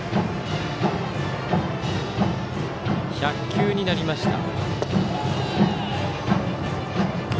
１００球になりました。